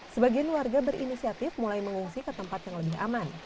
sebagian warga berinisiatif mulai mengungsi ke tempat yang lebih aman